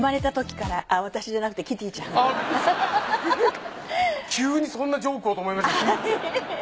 ビックリした急にそんなジョークをと思いました。